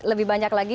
lebih banyak lagi